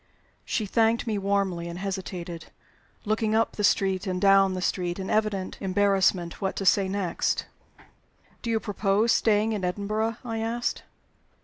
She thanked me warmly, and hesitated, looking up the street and down the street in evident embarrassment what to say next. "Do you propose staying in Edinburgh?" I asked.